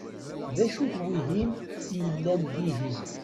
D acu-t wihin i yellan dihin?